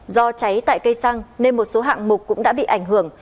do cháy tại cây xăng nên một số hạng mục cũng đã bị ảnh hưởng